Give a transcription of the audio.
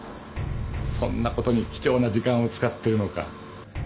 そんなことに貴重な時間を使ってるのか。